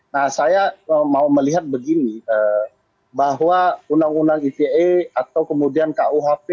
nah saya mau melihat begini bahwa undang undang ite atau kemudian kuhp